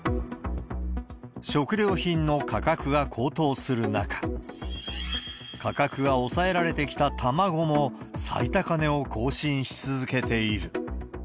食料品の価格が高騰する中、価格が抑えられてきた卵も、最高値を更新し続けている。